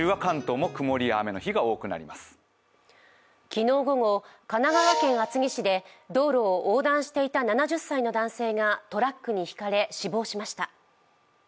昨日午後、神奈川県厚木市で道路を横断していた７０歳の男性がトラックに引かれ、死亡しました。